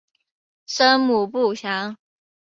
生母不详。